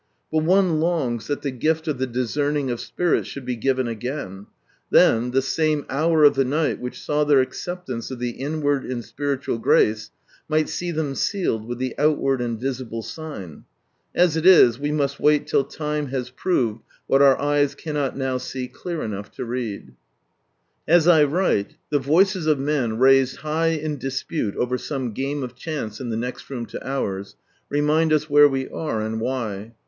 But one longs that the gift of the discerning of spirits should be given again; then "the same hour of the night" which saw their acceptance of the inward and spiritual grace, might see them sealed with the out ward and visible sign. As it is, we must wait till " time has proved " what our eyes cannot now see clear enough to read. As I write the voices of men, raised high in dispute over some game of chance in the next room to ours, remind us where we are, and why.